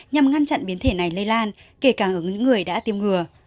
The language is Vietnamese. nhằm ngăn chặn biến thể này lây lan kể cả ở những người đã tiêm ngừa